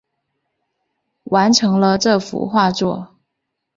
完成了这幅画作